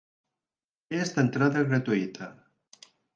És d'entrada gratuïta.